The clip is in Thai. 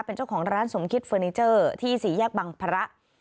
เป็นเจ้าของร้านสมคิดเฟอร์นิเจอร์ที่สี่แยกบังพระ